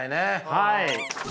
はい。